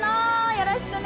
よろしくね。